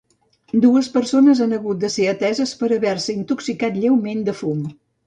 Dues persones han hagut de ser ateses per haver-se intoxicat lleument de fum.